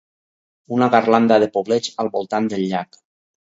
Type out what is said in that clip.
Una garlanda de poblets al voltant del llac.